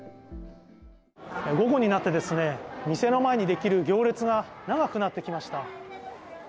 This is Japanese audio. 午後になって店の前にできる行列が長くなってきました。